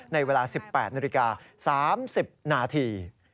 ในเวลา๑๘น๓๐นาที